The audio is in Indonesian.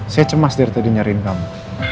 saya cemas dari tadi nyariin kamu